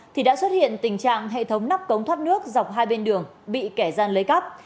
thì đã xuất hiện tình trạng hệ thống nắp cống thoát nước dọc hai bên đường bị kẻ gian lấy cắp